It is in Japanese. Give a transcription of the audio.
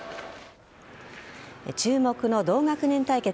注目の同学年対決。